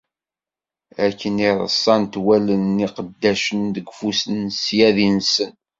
Akken i reṣṣant wallen n iqeddacen deg ufus n ssyadi-nsen.